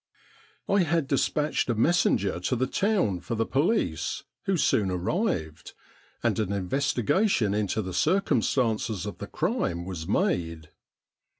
I had despatched a messenger to the town for the police, who soon arrived, and an investigation into the circumstances of the crime was made.